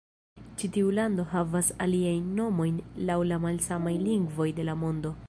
Ĉi tiu lando havas aliajn nomojn laŭ la malsamaj lingvoj de la mondo.